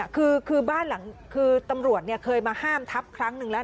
คือบ้านหลังคือตำรวจเคยมาห้ามทับครั้งหนึ่งแล้ว